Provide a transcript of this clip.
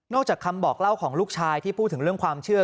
จากคำบอกเล่าของลูกชายที่พูดถึงเรื่องความเชื่อ